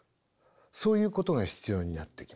そういうことが必要になってきます。